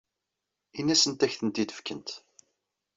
Ini-asent ad ak-tent-id-fkent.